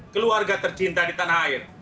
keluarga tercinta di tanah air